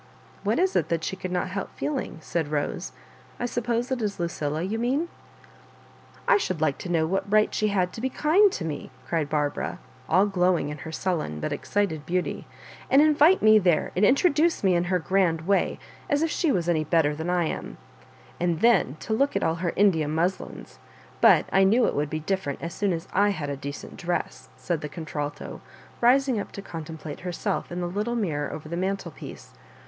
"What is it that she could not help feeling ?" said Rose. "I suppose it is Lucilla you mean?" " I should like to know what right she had to be kind to me," cried Barbara, all glowing in her sullen but excited beanty; *'and invite me there, and introduce me in her grand way, as if she was any better than I am I And then to look at all her India muslins; but I knew it would be different as soon an I had a decent dress," said the contralto, rising up to contem plate herself in the little mirror over the mantel piece.